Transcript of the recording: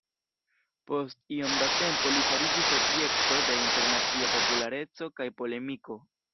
Post iom da tempo li fariĝis objekto de internacia populareco kaj polemiko.